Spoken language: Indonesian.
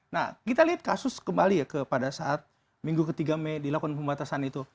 nah kita lihat kasus kembali ya pada saat minggu ke tiga mei dilakukan pembatasan itu